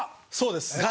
そうです。